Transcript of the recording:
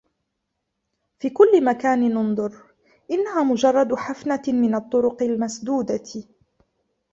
في كل مكان أنظر، انها مجرد حفنة من الطرق المسدودة.